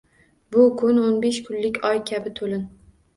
Bu kun o’n besh kunlik oy kabi to’lin.